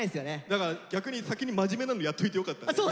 だから逆に先に真面目なのやっといてよかったね。